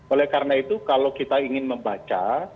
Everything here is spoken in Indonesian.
oleh karena itu kalau kita ingin membaca